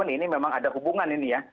ini memang ada hubungan ini ya